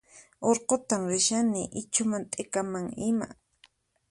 Urqutan rishani ichhuman t'ikaman ima